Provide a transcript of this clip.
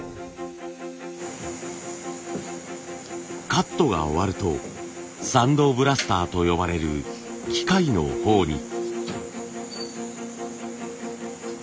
カットが終わるとサンドブラスターと呼ばれる機械のほうに。